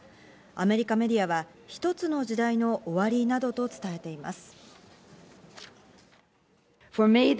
アメリカメディアは、一つの時代の終わりなどと伝えています。